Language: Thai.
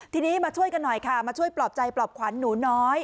ทีนี้มาช่วยกันหน่อยค่ะมาช่วยปลอบใจปลอบขวัญหนูน้อย